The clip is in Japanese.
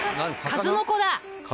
数の子だ！